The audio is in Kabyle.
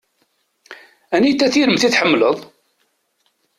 Anita tiremt i tḥemmleḍ?